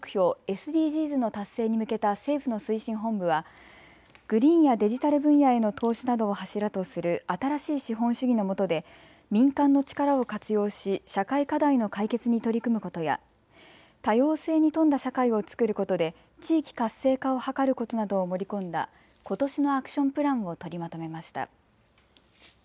・ＳＤＧｓの達成に向けた政府の推進本部はグリーンやデジタル分野への投資などを柱とする新しい資本主義のもとで民間の力を活用し社会課題の解決に取り組むことや多様性に富んだ社会を作ることで地域活性化を図ることなどを盛り込んだことしのアクションプランを取りまとめました。